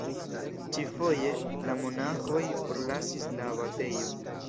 Ĉi-foje, la monaĥoj forlasis la abatejon.